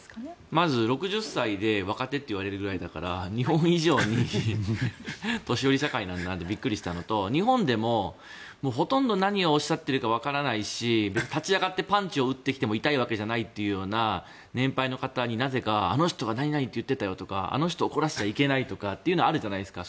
まず６０歳で若手といわれるくらいだから日本以上に年寄り社会なんだなってびっくりしたのと、日本でもほとんど何をおっしゃっているかわからないし、立ち上がってパンチを打ってきても痛いわけじゃないという年配の方に、なぜかあの人が何々って言ってたよとかあの人怒らせないほうがいいよってあるじゃないですか。